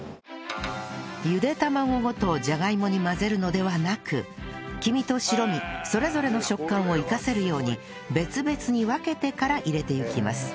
ゆで卵ごとじゃがいもに混ぜるのではなく黄身と白身それぞれの食感を生かせるように別々に分けてから入れていきます